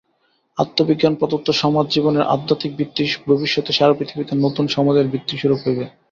আত্মবিজ্ঞান-প্রদত্ত সমাজ-জীবনের আধ্যাত্মিক ভিত্তিই ভবিষ্যতে সারা পৃথিবীতে নূতন সমাজের ভিত্তিস্বরূপ হইবে।